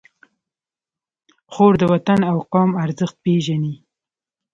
خور د وطن او قوم ارزښت پېژني.